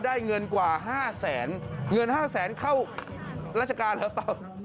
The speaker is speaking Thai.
ได้เงินกว่า๕๐๐๐๐๐เงิน๕๐๐๐๐๐เข้าราชการหรือเปล่า